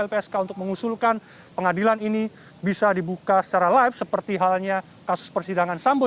lpsk untuk mengusulkan pengadilan ini bisa dibuka secara live seperti halnya kasus persidangan sambo